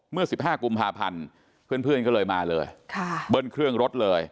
เมื่อสิบห้ากุมภาพันธุ์เพื่อนเพื่อนก็เลยมาเลยค่ะเบิ้ลเครื่องรถเลย